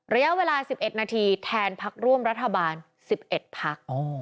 ระยะเวลา๑๑นาทีแทนพักร่วมรัฐบาล๑๑พัก